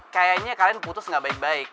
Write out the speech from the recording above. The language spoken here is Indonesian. kayaknya kalian putus gak baik baik